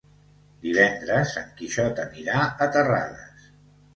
Divendres en Quixot anirà a Terrades.